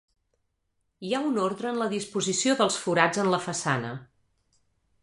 Hi ha un ordre en la disposició dels forats en la façana.